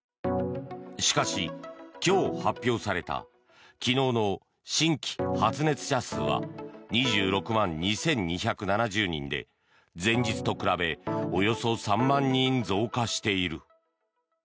しかし今日、発表された昨日の新規発熱者数は２６万２２７０人で前日と比べおよそ３万人増加している。